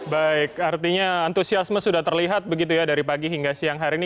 baik artinya antusiasme sudah terlihat begitu ya dari pagi hingga siang hari ini